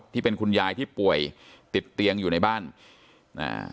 ที่เป็นคุณยายที่ป่วยติดเตียงอยู่ในบ้านอ่า